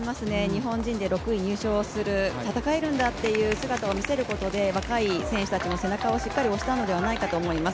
日本人で６位入賞する、戦えるんだっていう姿を見せることで、若い選手たちの背中をしっかり押したのではないかと思います。